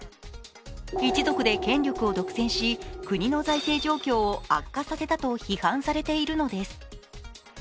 一族で権力を独占し、国の財政状況を悪化させたと批判されているのです。